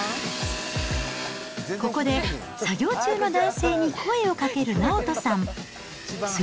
ここで作業中の男性に声をかける直人さん。